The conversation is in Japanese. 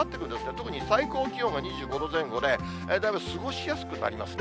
特に最高気温が２６度前後で、だいぶ過ごしやすくなりますね。